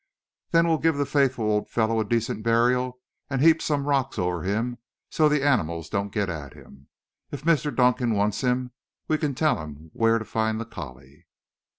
"Then we'll give the faithful old fellow a decent burial and heap some rocks over him so the animals don't get at him. If Mr. Dunkan wants him we can tell him where to find the collie."